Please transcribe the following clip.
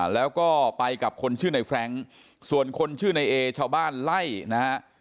แล้วก็ไปกับคนชื่อในแฟรงค์ส่วนคนชื่อในเอชาวบ้านไล่นะฮะ